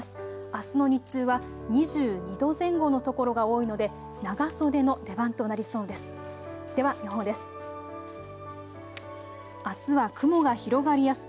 あすの日中は２２度前後の所が多いので長袖の出番となりそうです。